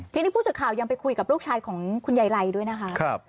เมื่อข่ายังไปคุยกับลูกชายของคุณใยไล่ด้วยนะคะครับ